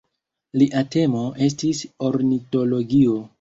Lia temo estis ornitologio.